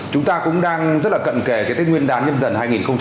chúng ta cũng đang rất là cận kề cái tết nguyên đán nhâm dần hai nghìn hai mươi hai